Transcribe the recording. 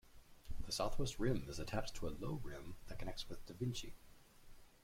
The southwest rim is attached to a low rim that connects with da Vinci.